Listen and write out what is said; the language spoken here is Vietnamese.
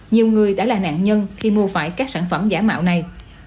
nhiều người đã là nạn nhân khi mua phải các sản phẩm giả mạo này